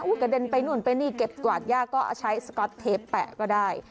กระเด็นไปนู่นไปนี่เก็บกวาดยากก็ใช้สก๊อตเทปแปะก็ได้